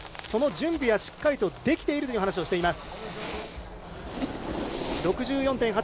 その準備はしっかりできていると話しています。